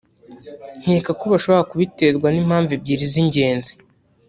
nkeka ko bashobora kubiterwa n’impamvu ebyiri z’ingenzi